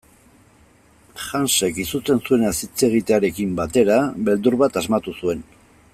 Hansek, izutzen zuenaz hitz egitearekin batera, beldur bat asmatu zuen.